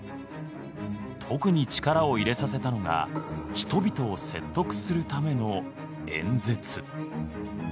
特に力を入れさせたのが人々を説得するための演説。